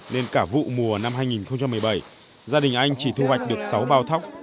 nên cả vụ mùa năm hai nghìn một mươi bảy gia đình anh chỉ thu hoạch được sáu bao thóc